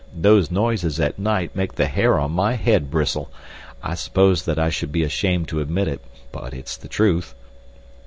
"Those noises at night make the hair on my head bristle. I suppose that I should be ashamed to admit it, but it's the truth."